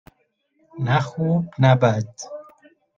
نه خوب - نه بد.